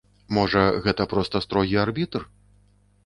Можа, гэта проста строгі арбітр?